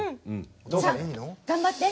さあ頑張って！